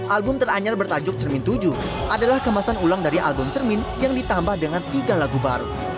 album teranyar bertajuk cermin tujuh adalah kemasan ulang dari album cermin yang ditambah dengan tiga lagu baru